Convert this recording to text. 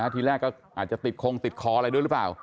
ทีแรกก็อาจจะติดคงติดคออะไรด้วยหรือเปล่า